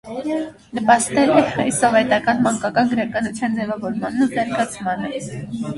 Նպաստել է հայ սովետական մանկական գրականության ձևավորմանն ու զարգացմանը։